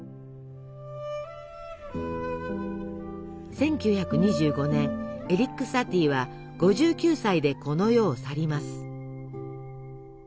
１９２５年エリック・サティは５９歳でこの世を去ります。